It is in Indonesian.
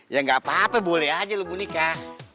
ya nggak apa apa boleh aja lo mau nikah